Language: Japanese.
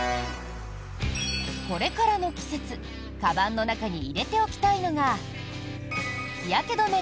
これからの季節かばんの中に入れておきたいのが日焼け止め